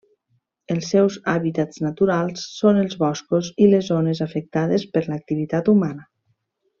Els seus hàbitats naturals són els boscos i les zones afectades per l'activitat humana.